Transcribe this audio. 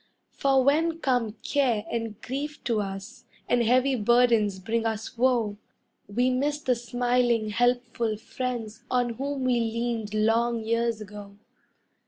For when come care and grief to us, and heavy burdens bring us woe, We miss the smiling, helpful friends on whom we leaned long years ago.